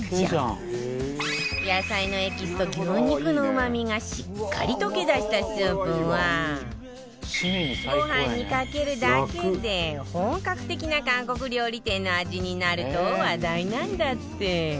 野菜のエキスと牛肉のうまみがしっかり溶け出したスープはご飯にかけるだけで本格的な韓国料理店の味になると話題なんだって